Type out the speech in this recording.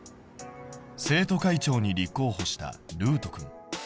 生徒会長に立候補したるうとくん。